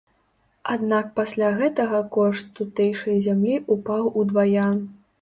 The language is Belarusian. Аднак пасля гэтага кошт тутэйшай зямлі ўпаў удвая.